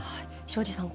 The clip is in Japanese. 庄司さん